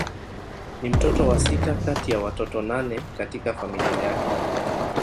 Ni mtoto wa sita kati ya watoto nane katika familia yake.